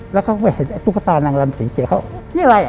แล้วเขาก็เห็นไอ้ตุ๊กตานางลำสีเขียวเขานี่อะไรอ่ะ